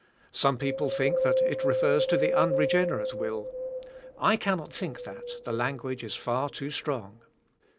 Some people think that it refers to the unregener ate will, I cannot think that, the language is far too strong.